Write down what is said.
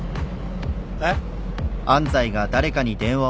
えっ？